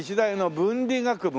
文理学部。